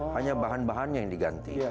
hanya bahan bahannya yang diganti